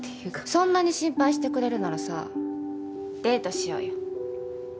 そんなに心配してくれるならさデートしようよ。